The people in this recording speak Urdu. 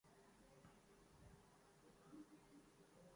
کون سی بات کریں کس سے بچائیں پہلو